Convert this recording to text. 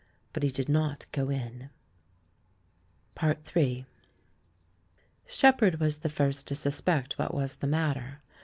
But he did not go in. Ill Shepherd was the first to suspect what was the matter.